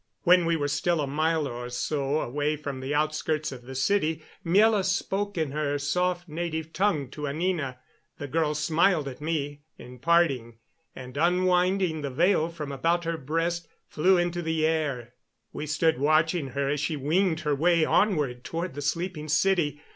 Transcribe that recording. When we were still a mile or so away from the outskirts of the city Miela spoke in her soft native tongue to Anina. The girl smiled at me in parting, and, unwinding the veil from about her breast, flew into the air. We stood watching her as she winged her way onward toward the sleeping city.